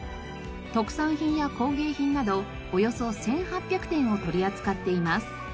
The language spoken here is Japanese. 特産品や工芸品などおよそ１８００点を取り扱っています。